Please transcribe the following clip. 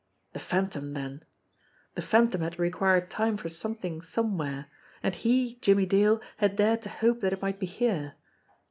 The Phantom, then! The Phantom had re quired time for something somewhere. And he, Jimmie Dale> had dared to hope that it might be here.